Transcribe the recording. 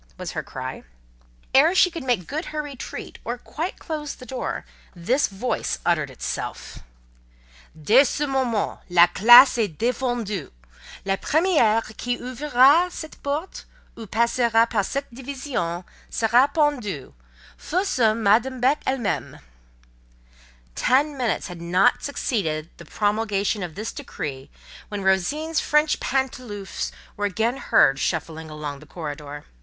was her cry. Ere she could make good her retreat, or quite close the door, this voice uttered itself:— "Dès ce moment!—la classe est défendue. La première qui ouvrira cette porte, ou passera par cette division, sera pendue—fut ce Madame Beck elle même!" Ten minutes had not succeeded the promulgation of this decree when Rosine's French pantoufles were again heard shuffling along the corridor.